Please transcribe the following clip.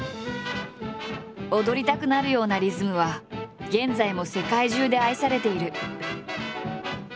踊りたくなるようなリズムは現在も世界中で愛されている。